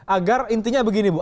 agar intinya begini bu